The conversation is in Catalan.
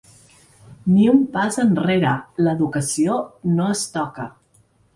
Ni un pas enrere, l'educació no és toca.